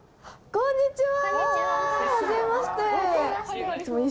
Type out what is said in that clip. こんにちは。